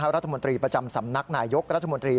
รัฐมนตรีประจำสำนักนายยกรัฐมนตรี